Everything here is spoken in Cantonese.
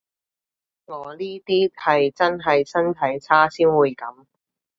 我呢啲係真係身體差先會噉